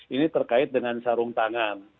ini terkait dengan sarung tangan